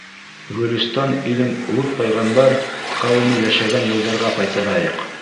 Гөлөстан илен Лут пәйғәмбәр ҡәүеме йәшәгән йылдарға ҡайтарайыҡ.